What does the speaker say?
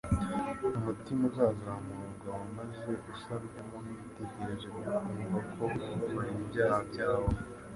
Umutima uzazamurwa maze usabwemo n'ibitekerezo byo kumva ko wababariwe ibyaha byawo.